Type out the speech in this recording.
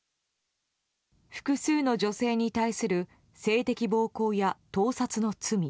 複数の女性に対する性的暴行や盗撮の罪。